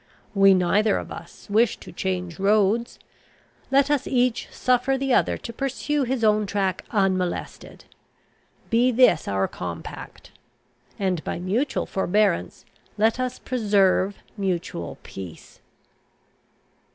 We neither of us wish to change roads; let us each suffer the other to pursue his own track unmolested. Be this our compact; and by mutual forbearance let us preserve mutual peace."